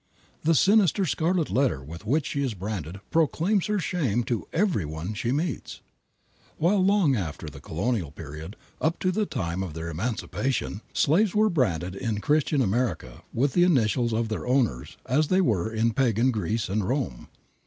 The sinister scarlet letter with which she is branded proclaims her shame to every one she meets. While long after the Colonial period, up to the time of their emancipation, slaves were branded in Christian America with the initials of their owners as they were in Pagan Greece and Rome.